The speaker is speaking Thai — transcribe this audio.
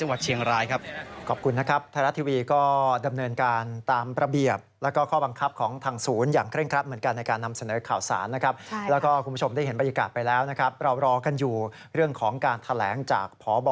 ไว้ก่อนหน้าที่จะทราบอีกครั้งหนึ่งนะครับยุทยาต้องมีข่าวเทร๊ราชทีวียูจะ